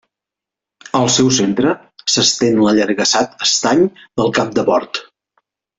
Al seu centre s'estén l'allargassat estany del Cap de Port.